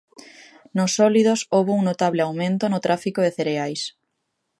Nos sólidos houbo un notable aumento no tráfico de cereais.